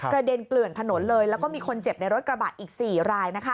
เด็นเกลื่อนถนนเลยแล้วก็มีคนเจ็บในรถกระบะอีก๔ราย